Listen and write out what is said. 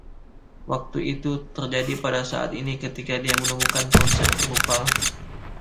Waktu itu, terjadi pada saat ini ketika dia menemukan konsep Drupal.